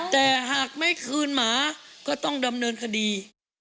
แต่หากไม่คืนหมาก็ต้องดำเนินคดี